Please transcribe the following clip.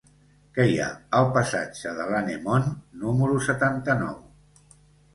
Què hi ha al passatge de l'Anemone número setanta-nou?